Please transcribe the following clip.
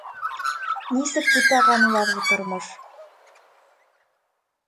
Нисек бутаған уларҙы тормош!